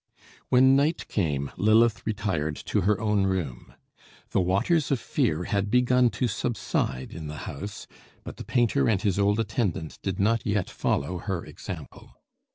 When night came, Lilith retired to her own room. The waters of fear had begun to subside in the house; but the painter and his old attendant did not yet follow her example.